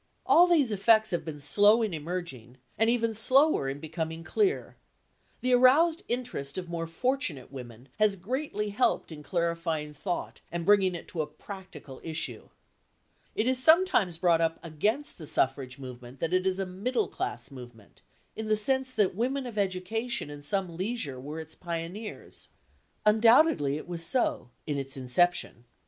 All these effects have been slow in emerging and even slower in becoming clear; the aroused interest of more fortunate women has greatly helped in clarifying thought and bringing it to a practical issue. It is sometimes brought up against the suffrage movement that it is a middle class movement, in the sense that women of education and some leisure were its pioneers. Undoubtedly it was so, in its inception.